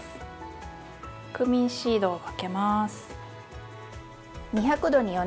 クミンシードをかけます。